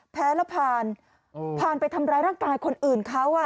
แพ้แล้วผ่านผ่านไปทำร้ายร่างกายคนอื่นเขา